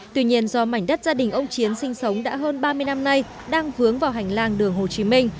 tuy nhiên do mảnh đất gia đình ông chiến sinh sống đã hơn ba mươi năm nay đang vướng vào hành lang đường hồ chí minh